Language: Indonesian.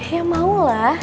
ya mau lah